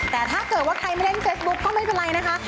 แต่ถ้าเกิดว่าใครไม่เล่นเฟซบุ๊คก็ไม่เป็นไรนะคะ